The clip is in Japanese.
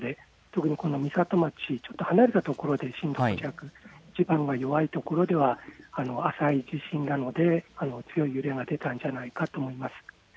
特に美里町、ちょっと離れたところで、地盤が弱い所では、浅い地震なので、強い揺れが出たんじゃないかと思います。